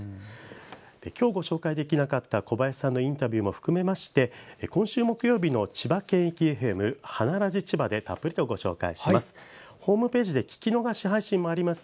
今日ご紹介できなかった小林さんのインタビューも含めまして今週木曜日の千葉県域ＦＭ「花ラジちば」でたっぷりご紹介します。